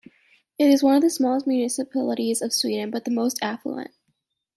It is one of the smallest municipalities of Sweden, but the most affluent.